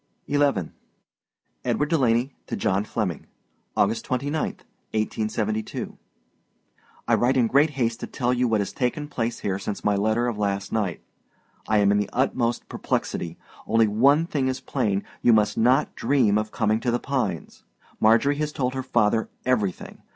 XI. EDWARD DELANY TO JOHN FLEMMING. August 29, 1972. I write in great haste to tell you what has taken place here since my letter of last night. I am in the utmost perplexity. Only one thing is plain you must not dream of coming to The Pines. Marjorie has told her father everything!